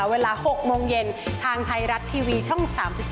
เวลา๖โมงเย็นทางไทยรัฐทีวีช่อง๓๒